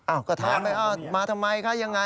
อ้าวก็ถามมาทำไมคะยังไง